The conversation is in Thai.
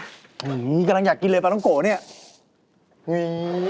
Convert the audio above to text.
กำลังอยากกินเลยปลาต้องโก่นี่